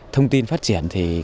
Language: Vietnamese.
thông tin phát triển